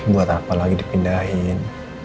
buat apa lagi dipindahin